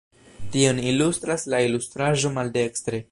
Tion ilustras la ilustraĵo maldekstre.